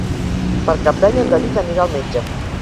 Per Cap d'Any en David anirà al metge.